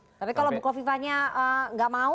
tapi kalau bu hovipanya gak mau